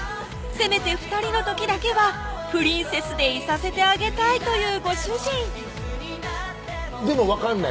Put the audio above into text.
せめて２人の時だけはプリンセスでいさせてあげたいというご主人でも分かんない